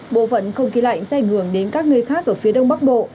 bộ phận không khí lạnh sẽ ảnh hưởng đến các nơi khác ở phía đông bắc bộ